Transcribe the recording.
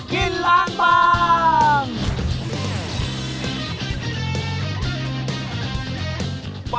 กินร้านปัง